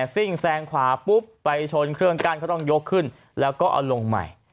ซิ่งแซงขวาไปชนเครื่องกันก็ยกขึ้นแล้วก็เอาลงใหม่